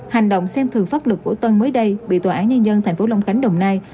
hành động xem thường pháp lực của tân mới đây bị tòa án nhân dân thành phố long khánh đồng nai